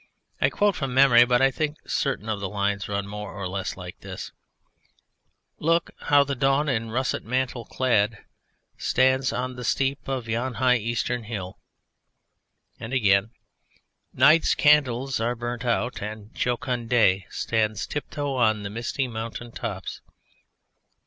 I quote from memory, but I think certain of the lines run more or less like this: Look how the dawn in russet mantle clad Stands on the steep of yon high eastern hill. And again: Night's candles are burnt out, and jocund day Stands tiptoe on the misty mountain tops.